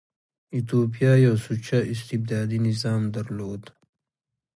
ایتوپیا یو سوچه استبدادي نظام درلود.